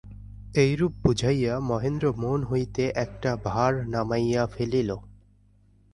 এইরূপ বুঝাইয়া মহেন্দ্র মন হইতে একটা ভার নামাইয়া ফেলিল।